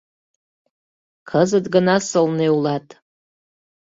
— Кызыт гына сылне улат!